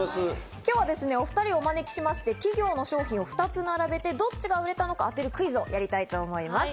今日はですね、お２人をお招きしまして企業の商品を２つ並べて、どっちが売れたのか当てるクイズをやっていきたいと思います。